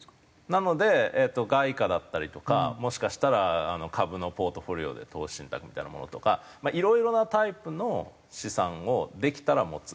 なので外貨だったりとかもしかしたら株のポートフォリオで投資信託みたいなものとかいろいろなタイプの資産をできたら持つ。